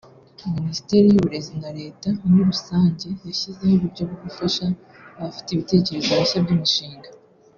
Minisiteri y’uburezi na Leta muri rusange yashyizeho uburyo bwo gufasha abafite ibitekerezo bishya by’imishinga